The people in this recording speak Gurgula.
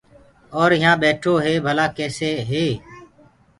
اور يهآنٚ ٻيٺو هي ڀلآ ڪيسي هي۔